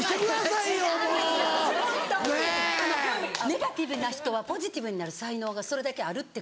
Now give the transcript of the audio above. ホントにネガティブな人はポジティブになる才能がそれだけあるってことで。